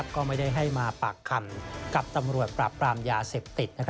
ก็ไม่ได้ให้มาปากคำกับตำรวจปราบปรามยาเสพติด